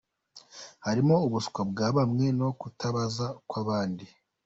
Harimo ubuswa bwa bamwe no kutabaza kw’abandi.